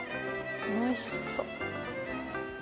おいしそう。